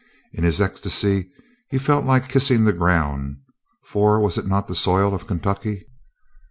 In his ecstasy he felt like kissing the ground, for was it not the soil of Kentucky?